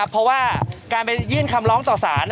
เพราะว่าการไปยื่นคำร้องต่อสาร